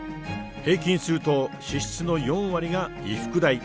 平均すると支出の４割が衣服代。